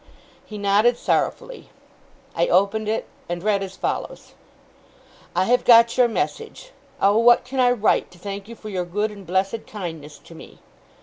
He nodded sorrowfully. I opened it, and read as follows: 'I have got your message. Oh, what can I write, to thank you for your good and blessed kindness to me!